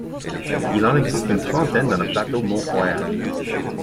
Il en existe une trentaine dans le Plateau-Mont-Royal.